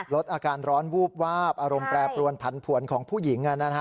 ลดอาการร้อนวูบวาบอารมณ์แปรปรวนผันผวนของผู้หญิง